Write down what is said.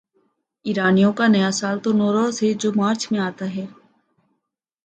ایرانیوں کا نیا سال تو نوروز ہے جو مارچ میں آتا ہے۔